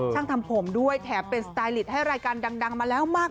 ช่างทำผมด้วยแถมเป็นสไตลิตให้รายการดังมาแล้วมาก